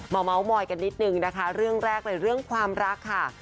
เมาส์มอยกันนิดนึงนะคะเรื่องแรกเลยเรื่องความรักค่ะ